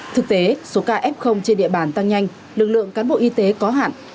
thực tế số ca f trên địa bàn tăng nhanh lực lượng cán bộ y tế có hạn